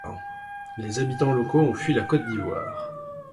Les habitants locaux ont fui la Côte d'Ivoire.